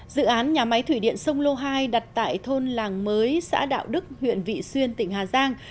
dự án nhà máy thủy điện sông lô hai đặt tại thôn làng mới xã đạo đức huyện vị xuyên tỉnh hà giang